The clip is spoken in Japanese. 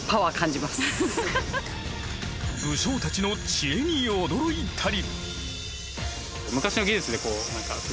武将たちの知恵に驚いたり。